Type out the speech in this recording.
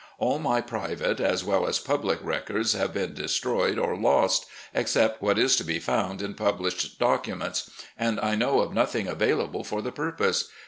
All my private, as well as public, records have been destroyed or lost, except what is to be fotmd in published documents, and 1 know of nothing available for the purpose.